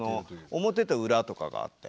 表と裏とかがあって。